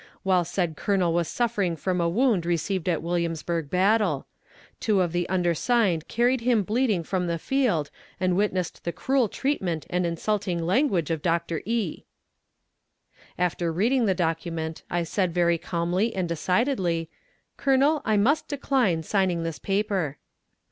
while said colonel was suffering from a wound received at Williamsburg battle. Two of the undersigned carried him bleeding from the field, and witnessed the cruel treatment and insulting language of Doctor E." After reading the document, I said very calmly and decidedly, "Colonel, I must decline signing this paper."